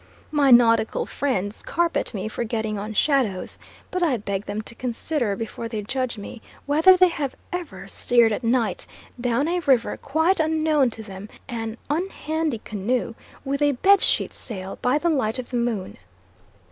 My nautical friends carp at me for getting on shadows, but I beg them to consider before they judge me, whether they have ever steered at night down a river quite unknown to them an unhandy canoe, with a bed sheet sail, by the light of the moon.